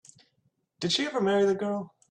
Did she ever marry the girl?